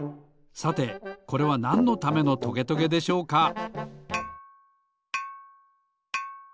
さてこれはなんのためのトゲトゲでしょうか？